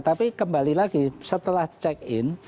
tapi kembali lagi setelah check in